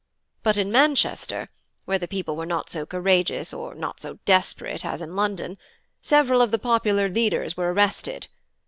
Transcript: But in Manchester, where the people were not so courageous or not so desperate as in London, several of the popular leaders were arrested.